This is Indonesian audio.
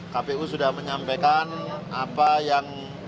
kpu sudah menyampaikan apa yang